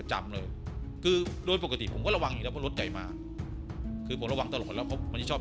จำเลยโดยปกติผมก็ระวังให้รถใหญ่มาคือร่วงตอนแล้วมันชอบ